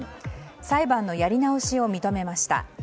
裁判のやり直しを認めました。